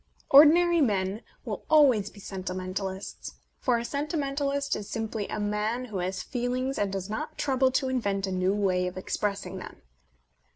Ordinary men will always be sentimentalists : for a sentimentalist is simply a man who has feelings and does not trouble to invent a new way of expressing them.